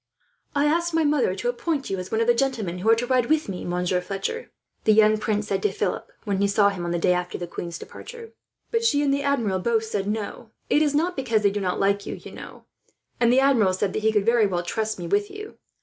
"I asked my mother to appoint you as one of the gentlemen who are to ride with me, Monsieur Fletcher," the young prince said to Philip, when he saw him on the day after the queen's departure; "but she and the Admiral both said no. It is not because they do not like you, you know; and the Admiral said that he could very well trust me with you.